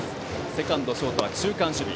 セカンド、ショートは中間守備。